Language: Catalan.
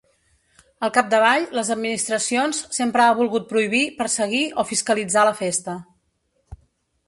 Al capdavall, les administracions sempre ha volgut prohibir, perseguir o fiscalitzar la festa.